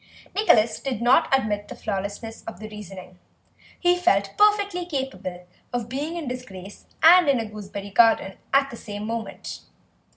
Nicholas did not admit the flawlessness of the reasoning; he felt perfectly capable of being in disgrace and in a gooseberry garden at the same moment.